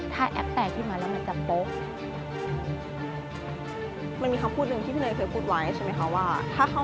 ถ้าแอปแตกขึ้นมาแล้วมันจะโป๊ะ